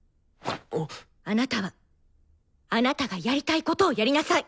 あなたはあなたがやりたいことをやりなさい！